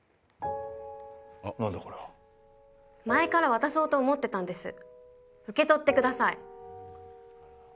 前から渡そうと思ってたんです受け取ってください。